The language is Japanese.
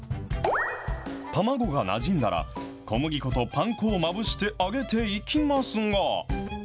卵がなじんだら、小麦粉とパン粉をまぶして揚げていきますが。